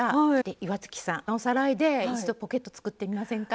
岩槻さんおさらいで一度ポケット作ってみませんか？